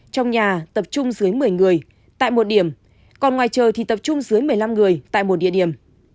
trong nhà tập trung dưới một mươi người tại một điểm còn ngoài trời thì tập trung dưới một mươi năm người tại một địa điểm